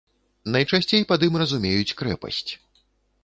Найчасцей пад ім разумеюць крэпасць.